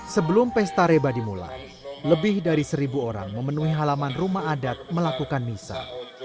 sebelum pesta reba dimulai lebih dari seribu orang memenuhi halaman rumah adat melakukan misah